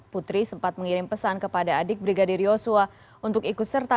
putri sempat mengirim pesan kepada adik brigadir yosua